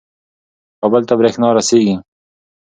کابل ته برېښنا رسیږي.